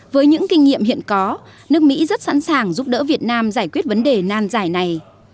với những kinh nghiệm hiện có nước mỹ rất sẵn sàng giúp đỡ việt nam giải quyết vấn đề nan giải này